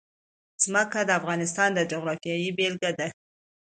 ځمکه د افغانستان د جغرافیې بېلګه ده.